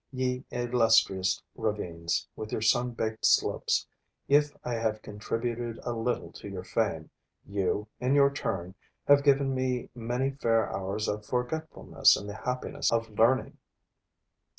Ye illustrious ravines, with your sun baked slopes, if I have contributed a little to your fame, you, in your turn, have given me many fair hours of forgetfulness in the happiness of learning.